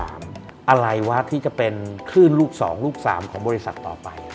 อะไรวะที่จะเป็นคลื่นลูก๒ลูก๓ของบริษัทต่อไป